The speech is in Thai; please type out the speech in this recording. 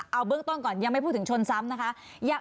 เอาเบื้องต้นก่อนยังไม่พูดถึงชนซ้ำนะคะ